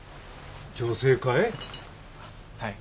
女性かい？